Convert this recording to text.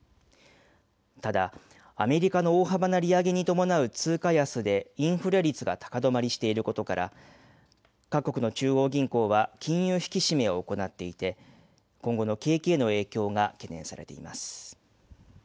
ただアメリカの大幅な利上げに伴う通貨安でインフレ率が高止まりしていることから各国の中央銀行は金融引き締めを行っていて、今後の景気への影響が懸念されています。